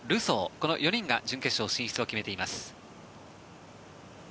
この４人が準決勝進出を決めています。